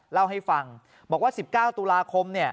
เล่าให้ฟังบอกว่า๑๙ตุลาคม